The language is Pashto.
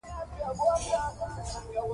ده وویل له پلانکي باچا څخه ججه مه اخلئ.